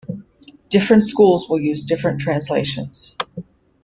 Different schools will use different translations.